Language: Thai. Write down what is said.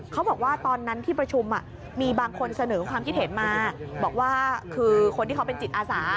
เขาบอกว่าตอนนั้นที่ประชุมมีบางคนเสนอความคิดเห็นมาบอกว่าคือคนที่เขาเป็นจิตอาสา